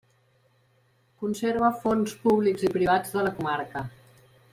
Conserva fons públics i privats de la comarca.